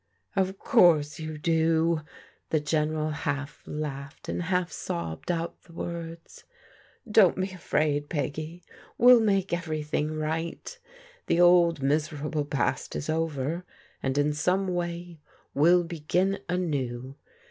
" Of course you do !" The General half laughed, and half sobbed out the words. "Don't be afraid, Peggy, we'll make everything right The old miserable past is over, and in some way we'll begin anew.